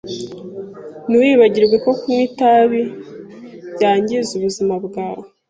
Ntiwibagirwe ko kunywa itabi byangiza ubuzima bwawe.